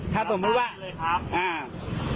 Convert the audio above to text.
ชอบทักษะครีมเลยครับ